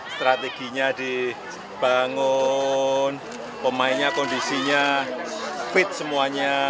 strateginya dibangun pemainnya kondisinya fit semuanya